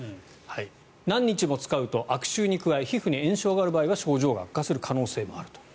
何日も使うと悪臭に加え皮膚に炎症がある場合は症状が悪化する可能性もあると。